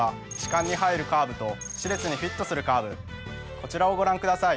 こちらをご覧ください